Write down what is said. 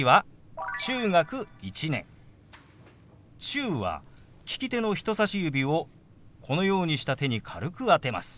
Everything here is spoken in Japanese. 「中」は利き手の人さし指をこのようにした手に軽く当てます。